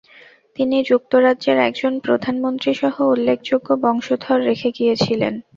তিনি যুক্তরাজ্যের একজন প্রধানমন্ত্রী সহ উল্লেখযোগ্য বংশধর রেখে গিয়েছিলেন।